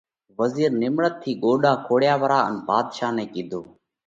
وزِير نِيمڙت ٿِي ڳوڏا کوڙيا پرا ان ڀاڌشا نئہ ڪِيڌو: